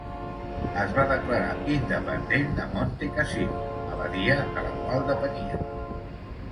Es va declarar independent de Montecassino, abadia de la qual depenia.